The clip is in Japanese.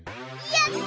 やった！